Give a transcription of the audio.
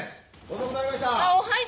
遅くなりました。